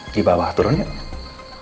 di bawah turun yuk